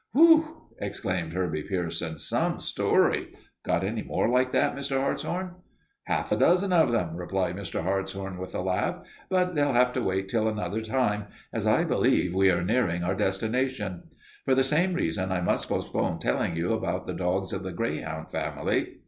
"Whew!" exclaimed Herbie Pierson. "Some story! Got any more like that, Mr. Hartshorn?" "Half a dozen of them," replied Mr. Hartshorn with a laugh, "but they'll have to wait till another time, as I believe we are nearing our destination. For the same reason I must postpone telling you about the dogs of the greyhound family.